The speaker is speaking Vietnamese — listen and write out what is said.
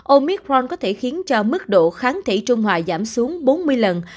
omicron có thể khiến cho mức độ kháng thể trung hoài giảm xuống bốn mươi lần